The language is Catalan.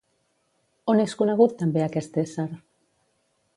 On és conegut també aquest ésser?